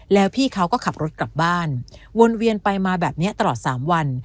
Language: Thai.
แล้วพี่เขาก็ขับรถกลับบ้านวนเวียนไปมาแบบนี้ตลอด๓วัน